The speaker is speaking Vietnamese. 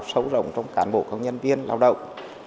sâu rộng trong cán bộ công nhân viên lao động